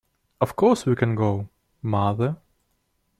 Of course we can go, mother?